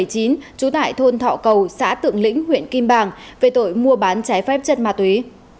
trú tại thôn thọ cầu xã tượng lĩnh huyện kim bàng về tội mua bán trái phép chất ma túy